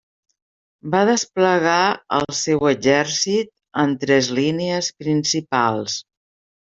Va desplegar el seu exèrcit en tres línies principals.